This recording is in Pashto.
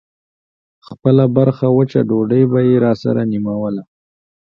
خپله برخه وچه ډوډۍ به يې راسره نيموله.